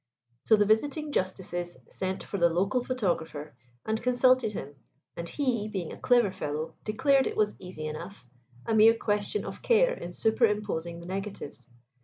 So the Visiting Justices sent for the local photographer and consulted him. And he, being a clever fellow, declared it was easy enough a mere question of care in superimposing the negatives.